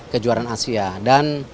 kejuaraan asia dan